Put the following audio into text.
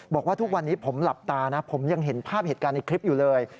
บอกว่าทุกวันนี้ผมหลับตานะผมยังเห็นภาพเหตุการณ์ในคลิปอยู่เลย